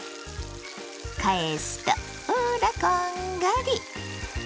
返すとほらこんがり！